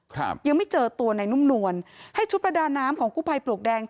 ครับยังไม่เจอตัวในนุ่มนวลให้ชุดประดาน้ำของกู้ภัยปลวกแดง